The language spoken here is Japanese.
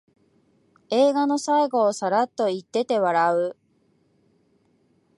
映画の最後をサラッと言ってて笑う